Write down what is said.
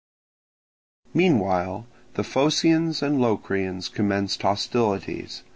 Meanwhile the Phocians and Locrians commenced hostilities.